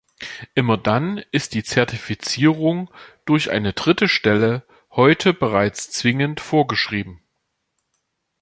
Immer dann ist die Zertifizierung durch eine dritte Stelle heute bereits zwingend vorgeschrieben.